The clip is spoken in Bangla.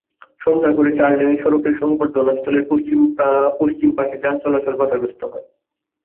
সন্ধ্যার পরে চার লেনের সড়কের সংবর্ধনাস্থলের পশ্চিম পাশে যান চলাচল বাধাগ্রস্ত হয়।